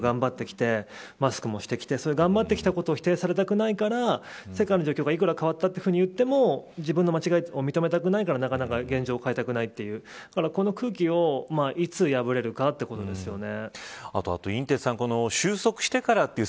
感染対策をこれまで頑張ってきてマスクをしてきて、頑張ってきたことを否定されたくないから世界の状況が幾ら変わったといっても、自分の間違いを認めたくないからなかなか現状変えたくないというこの空気をいつ破れるかということですよね。